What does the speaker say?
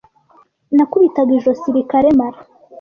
nakubitaga ijosi rikaremara